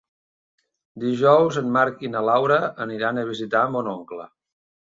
Dijous en Marc i na Laura aniran a visitar mon oncle.